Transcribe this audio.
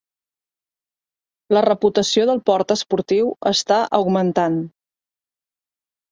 La reputació del port esportiu està augmentant.